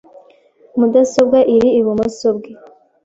Mudasobwa iri ibumoso bwe .